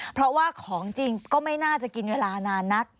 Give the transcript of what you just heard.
เพราะว่าของจริงก็ไม่น่าจะกินเวลานานนัก